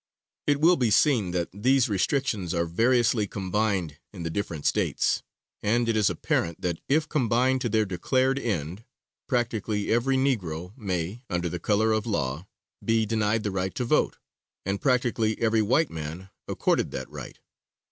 It will be seen that these restrictions are variously combined in the different States, and it is apparent that if combined to their declared end, practically every Negro may, under color of law, be denied the right to vote, and practically every white man accorded that right.